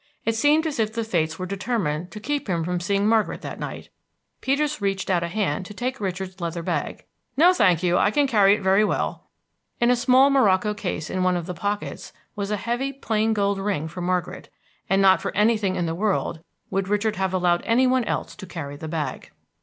It seemed as if the fates were determined to keep him from seeing Margaret that night. Peters reached out a hand to take Richard's leather bag. "No, thank you, I can carry it very well." In a small morocco case in one of the pockets was a heavy plain gold ring for Margaret, and not for anything in the world would Richard have allowed any one else to carry the bag.